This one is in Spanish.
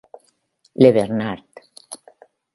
Le Bernard